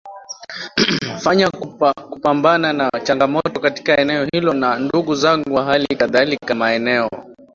fanya kupambana na changamoto katika eneo hilo Na ndugu zangu wa hali kadhalika maeneo